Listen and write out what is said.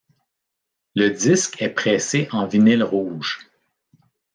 Le disque est pressé en vinyle rouge.